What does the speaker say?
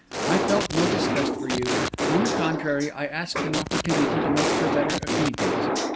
I felt no disgust for you; on the contrary, I asked an opportunity to make your better acquaintance.